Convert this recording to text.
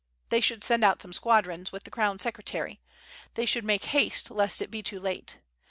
... They should send out some squadrons with the crown secretary. They should make haste lest it be too late.